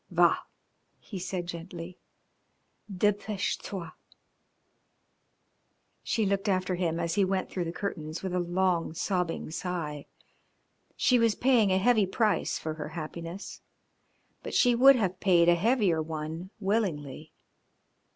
"Va," he said gently, "depeche toi." She looked after him as he went through the curtains with a long, sobbing sigh. She was paying a heavy price for her happiness, but she would have paid a heavier one willingly.